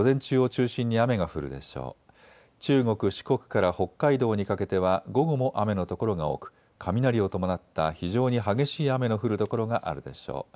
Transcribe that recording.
中国・四国から北海道にかけては午後も雨の所が多く雷を伴った非常に激しい雨の降る所があるでしょう。